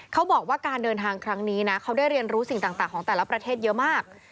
เขาบอกว่าการเดินทางครั้งนี้นะเขาได้เรียนรู้สิ่งต่างของแต่ละประเทศเยอะมาก